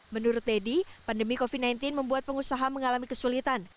menurut teddy pandemi covid sembilan belas membuat pengusaha mengalami kesulitan